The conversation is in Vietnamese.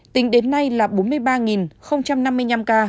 tính đến nay là bốn mươi ba năm mươi năm ca